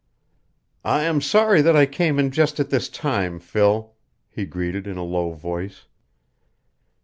"I am sorry that I came in just at this time, Phil," he greeted, in a low voice.